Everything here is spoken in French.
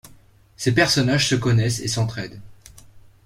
Ces personnages se connaissent et s’entraident.